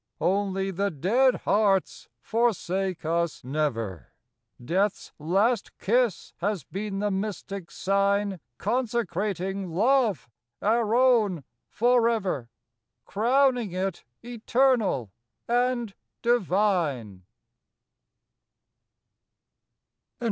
Only the dead Hearts forsake us never; Death's last kiss has been the mystic sign Consecrating Love our own forever, Crowning it eternal and divine.